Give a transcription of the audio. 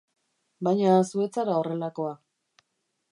Baina zu ez zara horrelakoa.